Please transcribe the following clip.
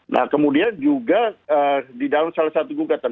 nah kemudian juga di dalam salah satu gugatan